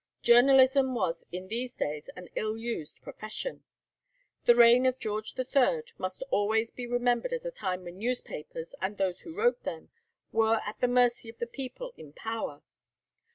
Journalism was in these days an ill used profession. The reign of George III. must always be remembered as a time when newspapers and those who wrote them were at the mercy of the people in power.